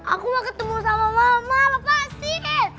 aku mau ketemu sama mama lho pak sih